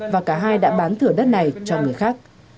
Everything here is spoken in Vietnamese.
và cả hai đã bán thửa đất này cho người khác